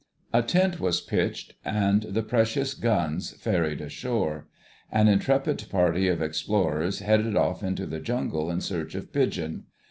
A tent was pitched and the precious guns ferried ashore. An intrepid party of explorers headed off into the jungle in search of pigeon.